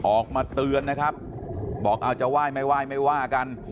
ออกมาเตือนนะครับบอกเอาจะไหว้ไม่ไหว้ไม่ว่ากัน